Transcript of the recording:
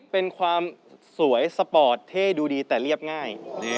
เป็นความสวยสปอร์ตเท่ดูดีแต่เรียบง่าย